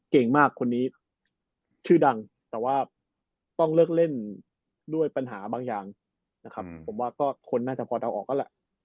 เก่งมากคนนี้ชื่อดังแต่ว่าต้องเลิกเล่นด้วยปัญหาบางอย่างนะครับผมว่าก็คนน่าจะพอเดาออกแล้วแหละ